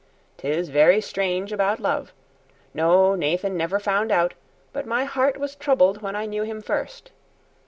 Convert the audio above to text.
'Tis very strange about love. No, Nathan never found out, but my heart was troubled when I knew him first.